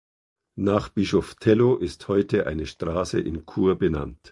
Nach Bischof Tello ist heute eine Strasse in Chur benannt.